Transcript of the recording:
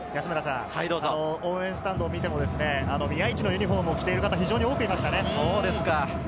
応援スタンドを見ても、宮市のユニホームを着ている方が非常に多くいましたね。